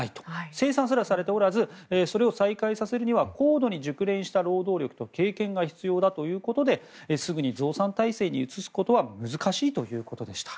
生産すらされておらずそれを再開させるには高度に熟練した労働力と経験が必要だということですぐに増産体制に移すことは難しいということでした。